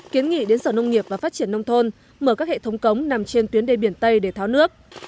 kiến nghị đến sở nông nghiệp và phát triển nông thôn mở các hệ thống cống nằm trên tuyến đê biển tây để tháo nước